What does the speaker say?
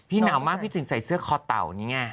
พี่หนาวมากอยู่ใส่เสื้อขอเตา